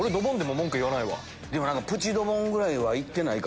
プチドボンぐらいはいってない？